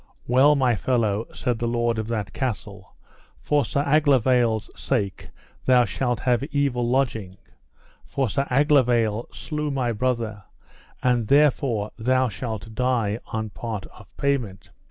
Well, my fellow, said the lord of that castle, for Sir Aglovale's sake thou shalt have evil lodging, for Sir Aglovale slew my brother, and therefore thou shalt die on part of payment.